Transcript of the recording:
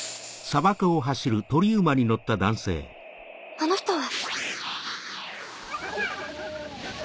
あの人は！